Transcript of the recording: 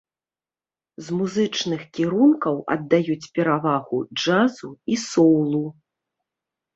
З музычных кірункаў аддаюць перавагу джазу і соўлу.